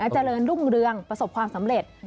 เจริญรุ่งเรืองประสบความสำเร็จ